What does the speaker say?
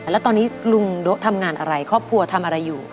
แล้วตอนนี้ลุงโด๊ะทำงานอะไรครอบครัวทำอะไรอยู่